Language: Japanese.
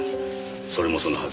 それもそのはず